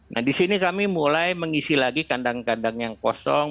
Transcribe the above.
nah di sini kami mulai mengisi lagi kandang kandang yang kosong